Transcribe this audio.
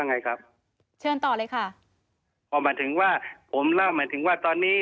ไงครับเชิญต่อเลยค่ะพอมาถึงว่าผมเล่าหมายถึงว่าตอนนี้